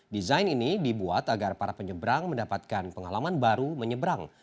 desain ini dibuat agar para penyebrang mendapatkan pengalaman baru menyeberang